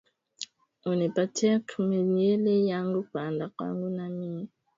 Uni patieko minji yaku panda kwangu na miye